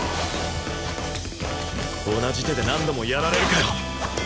同じ手で何度もやられるかよ！